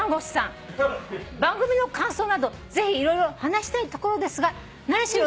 「番組の感想などぜひ色々話したいところですが何しろ